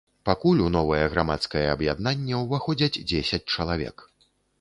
Пакуль у новае грамадскае аб'яднанне ўваходзяць дзесяць чалавек.